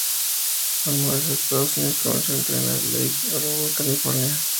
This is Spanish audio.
Al mudarse a Estados Unidos comenzó a entrenar en Lake Arrowhead, California.